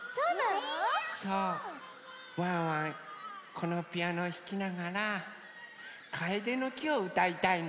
このピアノひきながら「カエデの木」をうたいたいの。